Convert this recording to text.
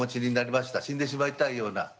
死んでしまいたいような。